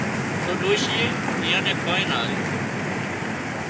تو ڏوشيئي ايئان نين ڪانئين نا آليون